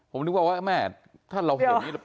ผมนึกว่าแม่ถ้าเราเห็น